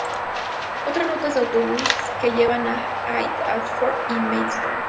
Otras rutas de autobús que llevan a Hythe, Ashford y Maidstone.